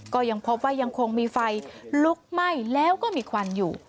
ก็ยังพบว่ายังคงมีไฟลุกไหม้แล้วก็มีควันอยู่